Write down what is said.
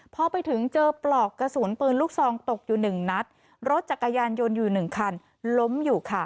พอไปถึงเจอปลอกกระสุนปืนลูกซองตกอยู่หนึ่งนัดรถจักรยานยนต์อยู่หนึ่งคันล้มอยู่ค่ะ